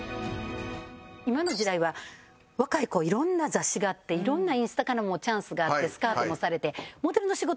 今の時代は若い子色んな雑誌があってインスタからもチャンスがあってスカウトもされて。